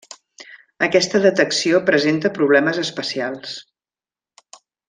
Aquesta detecció presenta problemes especials.